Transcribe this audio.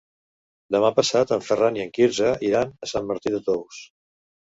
Demà passat en Ferran i en Quirze iran a Sant Martí de Tous.